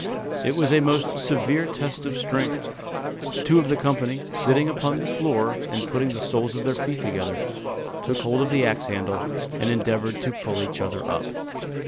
It was a most severe test of strength. Two of the company, sitting upon the floor, and putting the soles of their feet together, took hold of the axe handle, and endeavored to pull each other up.